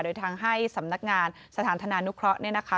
โดยทางให้สำนักงานสถานธนานุเคราะห์เนี่ยนะคะ